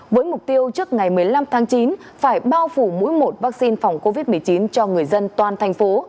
với mục tiêu trước ngày một mươi năm tháng chín phải bao phủ mũi một vaccine phòng covid một mươi chín cho người dân toàn thành phố